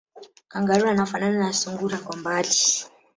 Kangaroo anafanana na sungura kwa mbali